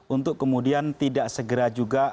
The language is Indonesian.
untuk kemudian tidak segera juga